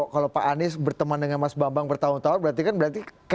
kalau pak anies berteman dengan mas bambang bertahun tahun berarti kan berarti